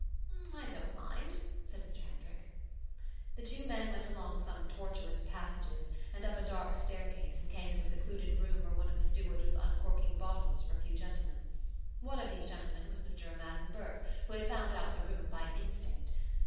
"I don't mind," said Mr Hendrick. The two men went along some tortuous passages and up a dark staircase and came to a secluded room where one of the stewards was uncorking bottles for a few gentlemen. One of these gentlemen was Mr O'Madden Burke, who had found out the room by instinct.